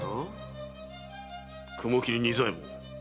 雲切仁左衛門。